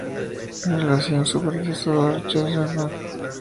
En relación a su predecesor Christenhusz et al.